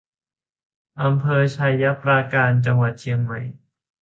อำเภอไชยปราการ จังหวัดเชียงใหม่